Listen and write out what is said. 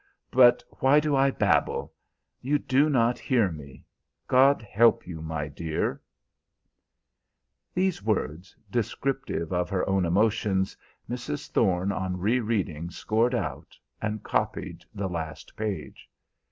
But why do I babble? You do not hear me. God help you, my dear!" These words, descriptive of her own emotions, Mrs. Thorne on re reading scored out, and copied the last page.